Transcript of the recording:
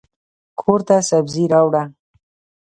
کورته سبزي راوړه.